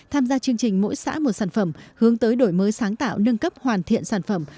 tham gia chương trình mỗi xã một sản phẩm hướng tới đổi mới sáng tạo nâng cấp hoàn thiện sản phẩm